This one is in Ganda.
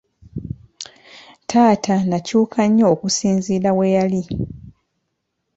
Taata n'akyuka nnyo okusinziira we yali.